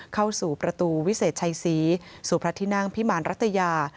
เข้าสู่ประตูวิเศษชัยศรีสู่พระที่นั่งพิมารรัตยา